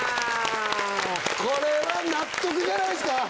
これは納得じゃないっすか！